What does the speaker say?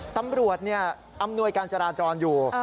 ตำรวจอำนวยการจราจรอยู่